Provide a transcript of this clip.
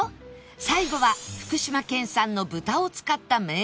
最後は福島県産の豚を使った名物メニュー